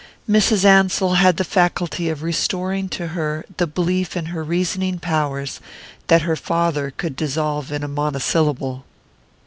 Mrs. Ansell had the faculty of restoring to her the belief in her reasoning powers that her father could dissolve in a monosyllable.